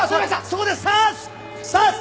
そこで刺す！